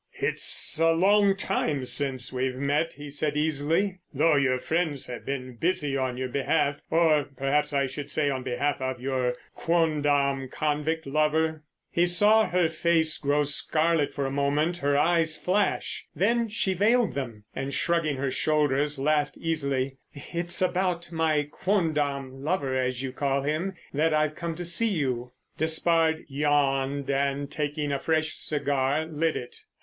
"It's a long time since we've met," he said easily. "Though your friends have been busy on your behalf—or perhaps I should say on behalf of your quondam convict lover." He saw her face grow scarlet for a moment, her eyes flash, then she veiled them, and, shrugging her shoulders, laughed easily. "It's about my quondam lover, as you call him, that I've come to see you." Despard yawned, and, taking a fresh cigar, lit it.